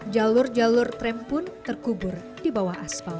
jalur jalur trem pun terkubur di bawah aspal